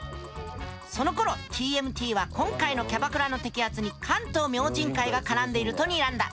そのころＴＭＴは今回のキャバクラの摘発に関東明神会が絡んでいるとにらんだ。